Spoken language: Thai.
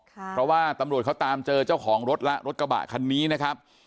เพราะว่าตำรวจเขาตามเจอเจ้าของรถแล้วรถกระบะคันนี้นะครับ